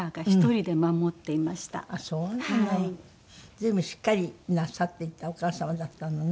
随分しっかりなさっていたお母様だったのね。